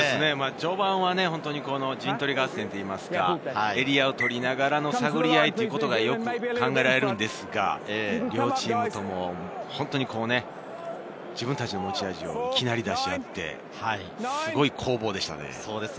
序盤は陣取り合戦といいますか、エリアを取りながらの探り合いが考えられますが、両チームとも本当に自分たちの持ち味をいきなり出し合って、すごい攻防でしたね。